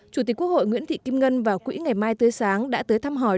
chủ tịch quốc hội nguyễn thị kim ngân và quỹ ngày mai tươi sáng đã tới thăm hỏi